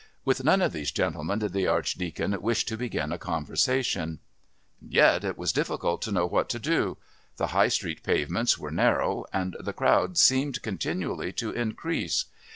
With none of these gentlemen did the Archdeacon wish to begin a conversation. And yet it was difficult to know what to do. The High Street pavements were narrow, and the crowd seemed continually to increase.